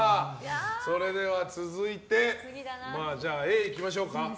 それでは、続いてＡいきましょうか。